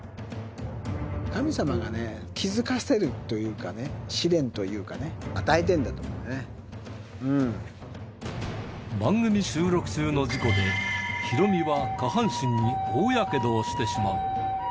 神様がね、気付かせるというかね、試練というかね、番組収録中の事故で、ヒロミは下半身に大やけどをしてしまう。